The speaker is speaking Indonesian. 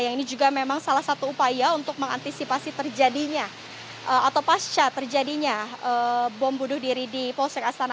yang ini juga memang salah satu upaya untuk mengantisipasi terjadinya atau pasca terjadinya bom bunuh diri di polsek astana